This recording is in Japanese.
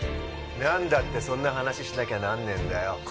なんだってそんな話しなきゃなんねえんだよ。